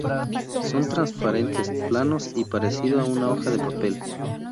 Son transparentes, planos y parecido a una hoja de papel.